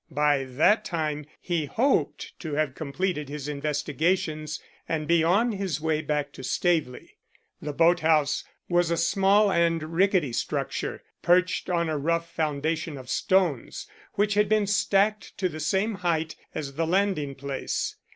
By that time he hoped to have completed his investigations and be on his way back to Staveley. The boat house was a small and rickety structure perched on a rough foundation of stones, which had been stacked to the same height as the landing place.